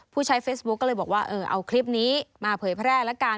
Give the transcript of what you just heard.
ผู้ใช้เฟซบุ๊กก็เลยบอกว่าเออเอาคลิปนี้มาเผยแพร่ละกัน